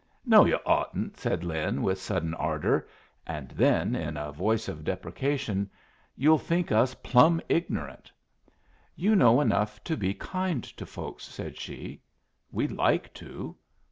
"No, yu' oughtn't!" said Lin, with sudden ardor; and then, in a voice of deprecation, "You'll think us plumb ignorant." "You know enough to be kind to folks," said she. "We'd like to."